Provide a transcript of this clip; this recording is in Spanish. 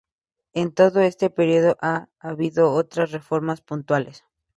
En todo este periodo ha habido otras reformas puntuales.